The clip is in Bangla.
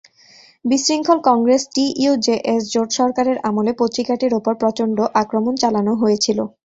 বিশৃঙ্খল কংগ্রেস-টিইউজেএস জোট সরকারের আমলে পত্রিকাটির উপর প্রচণ্ড আক্রমণ চালানো হয়েছিল।